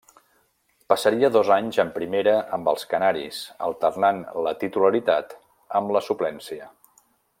Passaria dos anys en Primera amb els canaris, alternant la titularitat amb la suplència.